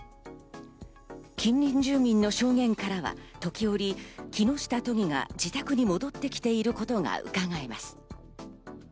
近隣住民の証言からは時折、木下都議が自宅に戻ってきていることがうかがえます。